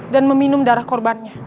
dan meminum darah korbannya